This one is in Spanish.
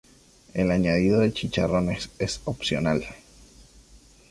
El añadido de chicharrones es opcional.